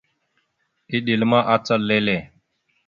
Eɗel ma, acal lele.